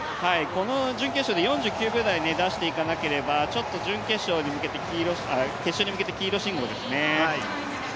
この準決勝で４９秒台出していかなければちょっと決勝に向けて黄色信号ですね。